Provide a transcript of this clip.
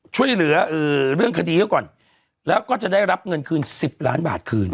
ช่วยเหลือเรื่องคดีเขาก่อนแล้วก็จะได้รับเงินคืน๑๐ล้านบาทคืน